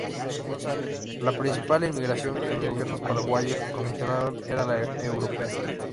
La principal inmigración que los gobiernos paraguayos promocionaron era la europea.